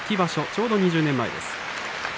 ちょうど２０年前です。